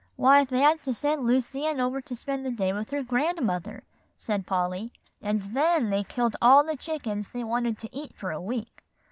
"Why, they had to send Lucy Ann over to spend the day with her grandmother," said Polly; "and then they killed all the chickens they wanted to eat for a week.